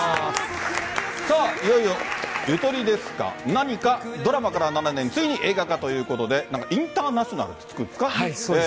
さあ、いよいよ、ゆとりですがなにか、ドラマから７年、ついに映画化ということで、なんかインターナショナルって付くんですか？